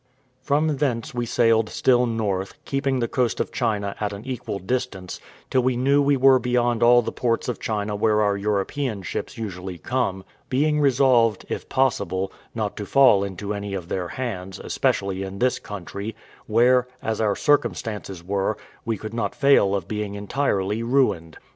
From thence we sailed still north, keeping the coast of China at an equal distance, till we knew we were beyond all the ports of China where our European ships usually come; being resolved, if possible, not to fall into any of their hands, especially in this country, where, as our circumstances were, we could not fail of being entirely ruined.